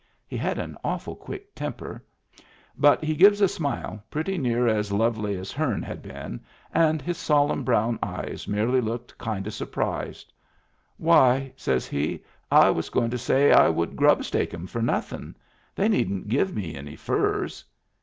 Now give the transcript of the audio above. He had an awful quick temper. But he gives a smile pretty near as lovely as hem had been, and his solemn brown eyes merely looked kind o' surprised. " Why," says he, I was goin' to say I would grubstake 'em for nothin'. They needn't give me any furs."